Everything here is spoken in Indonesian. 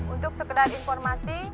untuk sekedar informasi